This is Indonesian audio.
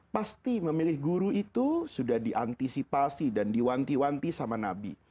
pasti memilih guru itu sudah diantisipasi dan diwanti wanti sama nabi